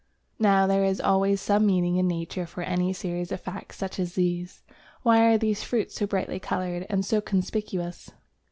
Now there is always some meaning in Nature for any series of facts such as these. Why are these fruits so brightly coloured and so conspicuous?